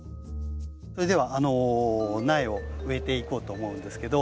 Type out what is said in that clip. それでは苗を植えていこうと思うんですけど。